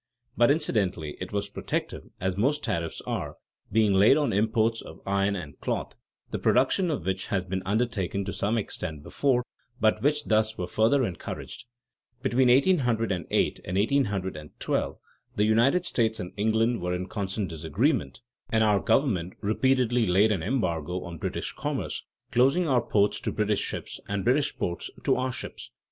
but incidentally it was protective (as most tariffs are), being laid on imports of iron and cloth, the production of which had been undertaken to some extent before, but which thus were further encouraged. Between 1808 and 1812, the United States and England were in constant disagreement, and our government repeatedly laid an embargo on British commerce, closing our ports to British ships, and British ports to our ships.